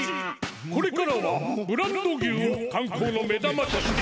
これからはブランド牛をかん光の目玉として。